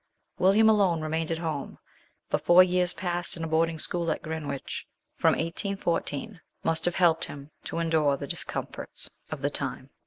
William alone remained at home, but four years passed in a boarding school at Greenwich, from 1814, must have helped him to endure the discomforts of the time.